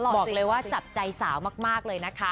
บอกเลยว่าจับใจสาวมากเลยนะคะ